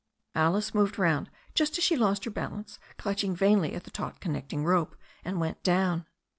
Alice moved round just as she lost her balance, clutched vainly at the taut connecting rope, and went down.